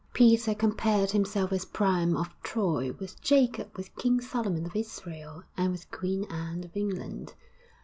Peter compared himself with Priam of Troy, with Jacob, with King Solomon of Israel and with Queen Anne of England.